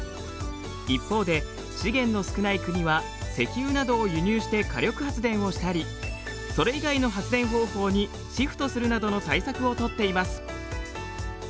一方で資源の少ない国は石油などを輸入して火力発電をしたりそれ以外の発電方法にシフトするなどの対策を取っています。